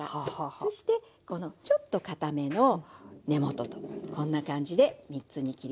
そしてこのちょっとかための根元とこんな感じで３つに切りました。